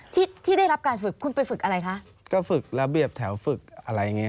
ที่ที่ได้รับการฝึกคุณไปฝึกอะไรคะก็ฝึกระเบียบแถวฝึกอะไรอย่างเงี้